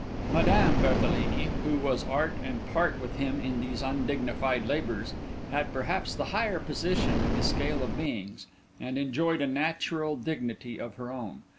Madame Berthelini, who was art and part with him in these undignified labours, had perhaps a higher position in the scale of beings, and enjoyed a natural dignity of her own.